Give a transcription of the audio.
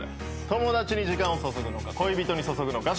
友達に時間を注ぐのか恋人に注ぐのか